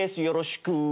よろしく。